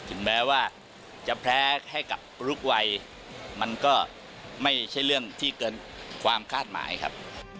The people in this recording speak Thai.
ถึงแม้ว่าจะแพ้ให้กับลูกวัยมันก็ไม่ใช่เรื่องที่เกินความคาดหมายครับ